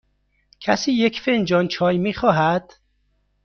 کسی یک فنجان چای می خواهد؟